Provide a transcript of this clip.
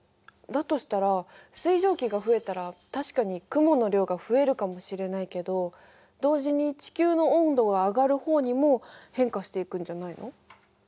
だとしたら水蒸気が増えたら確かに雲の量が増えるかもしれないけど同時に地球の温度が上がる方にも変化していくんじゃないの？